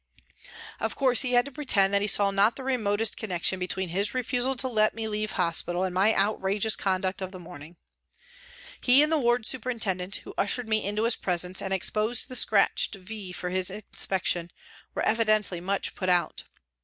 Of course he had to pretend that he saw not the remotest connection between his refusal to let me leave hospital and my " outrageous " conduct " A TRACK TO THE WATER'S EDGE " 167 of the morning. He and the ward superintendent, who ushered me into his presence and exposed the scratched " V " for his inspection, were evidently much put out.